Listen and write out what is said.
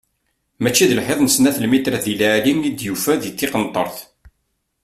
Mačči d lḥiḍ n snat lmitrat di leɛli i d-yufa, d tiqenṭert!